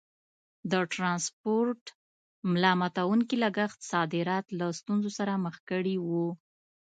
د ټرانسپورټ ملا ماتوونکي لګښت صادرات له ستونزو سره مخ کړي وو.